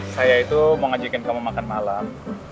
saya itu mau ngajakin kamu makan malam